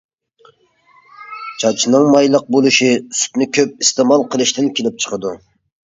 چاچنىڭ مايلىق بولۇشى-سۈتنى كۆپ ئىستېمال قىلىشتىن كېلىپ چىقىدۇ.